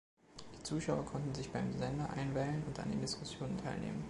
Die Zuschauer konnten sich beim Sender einwählen und an den Diskussionen teilnehmen.